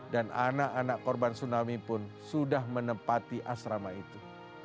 dan anak anak korban tsunami pun sudah menempati asrama itu